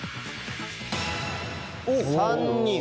３人。